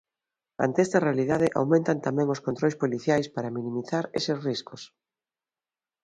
Ante esta realidade, aumentan tamén os controis policiais para minimizar eses riscos.